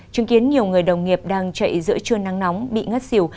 chứng kiến nhiều người đồng nghiệp đang chạy giữa trưa nắng nóng bị ngất xỉu